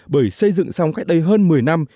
bởi xây dựng xong cách đây hơn một mươi năm